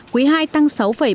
quý ii tăng sáu bảy mươi chín